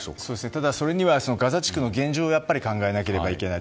ただ、それにはガザ地区の現状を考えなければいけない。